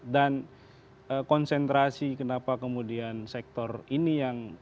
dan konsentrasi kenapa kemudian sektor ini yang